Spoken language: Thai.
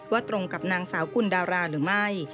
ตรงกับนางสาวกุลดาราหรือไม่